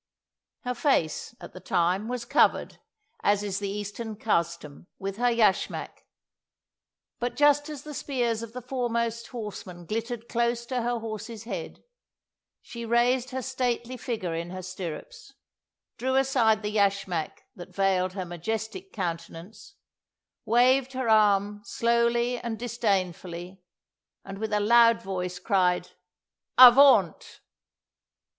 Her face, at the time, was covered, as is the Eastern custom, with her yashmak; but just as the spears of the foremost horsemen glittered close to her horse's head, she raised her stately figure in her stirrups, drew aside the yashmak that veiled her majestic countenance, waved her arm slowly and disdainfully, and with a loud voice cried, "Avaunt!"